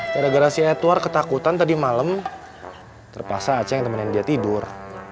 dari garasi edward ketakutan tadi malem terpaksa aceh yang temenin dia tidur